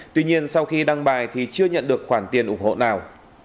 tuy nhiên sau khi đăng bài thì chưa nhận được khoản tiền ủng hộ nào